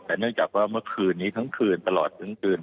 แต่เนื่องจากว่าเมื่อคืนนี้ทั้งคืนตลอดทั้งคืน